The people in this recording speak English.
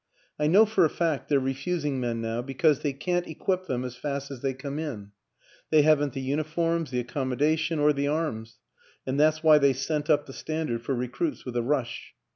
I know for a fact they're refusing men now, because they can't equip them as fast as they come in. They haven't the uniforms, the accommodation, or the arms, and that's why they sent up the stand ard for recruits with a rush.